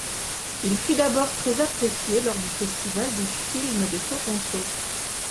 Il fut d'abord très apprécié lors du Festival du film de Toronto.